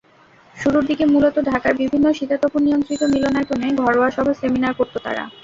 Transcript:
শুরুর দিকে মূলত ঢাকার বিভিন্ন শীতাতপনিয়ন্ত্রিত মিলনায়তনে ঘরোয়া সভা-সেমিনার করত তারা।